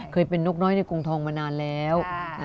เคยเป็นนกน้อยในกรุงทองมานานแล้ว